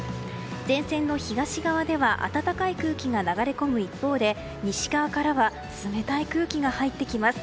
前線の東側では暖かい空気が流れ込む一方で西側からは冷たい空気が入ってきます。